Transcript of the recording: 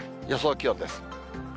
予想気温です。